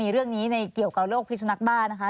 เรื่องนี้ในเกี่ยวกับโรคพิสุนักบ้านะคะ